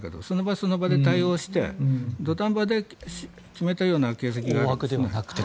その場その場で対応して土壇場で決めたような形跡がある。